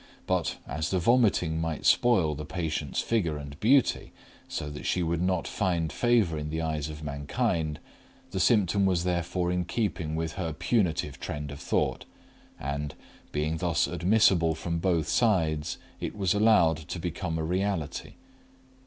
But as the vomiting might spoil the patient's figure and beauty, so that she would not find favor in the eyes of mankind, the symptom was therefore in keeping with her punitive trend of thought, and, being thus admissible from both sides, it was allowed to become a reality.